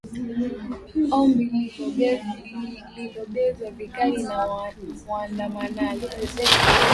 ombi lilobezwa vikali na waandamanaji